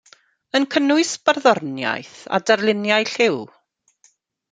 Yn cynnwys barddoniaeth a darluniau lliw.